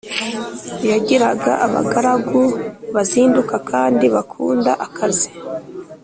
Yagiraga abagaragu bazinduka kandi bakunda akazi